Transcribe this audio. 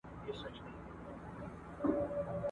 چي په باغ کي دي یاران وه هغه ټول دلته پراته دي ..